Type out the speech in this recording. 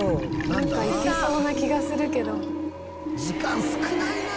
「なんかいけそうな気がするけど」「時間少ないな！」